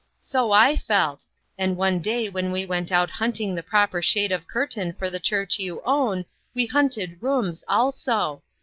So I felt, and one day when we went out hunting the proper shade of cur tain for the church you own, we hunted rooms also.